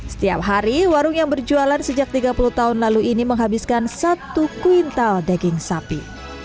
setiap hari warung yang berjualan sejak tiga puluh tahun lalu ini menghabiskan satu kuintal daging sapi